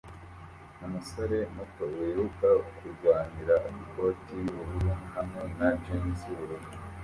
Umusore muto wiruka kurwanira ikoti yubururu hamwe na jans yubururu